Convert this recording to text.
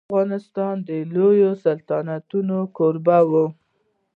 افغانستان د لويو سلطنتونو کوربه و.